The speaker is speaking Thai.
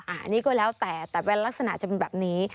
อันนี้ก็แล้วแต่แต่เป็นลักษณะจะเป็นแบบนี้